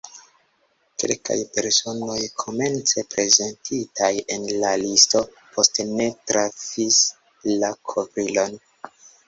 Kelkaj personoj, komence prezentitaj en la listo, poste ne trafis la kovrilon.